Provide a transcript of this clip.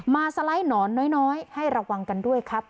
สไลด์หนอนน้อยให้ระวังกันด้วยครับ